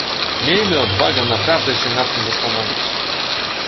Miejmy odwagę naprawdę się nad tym zastanowić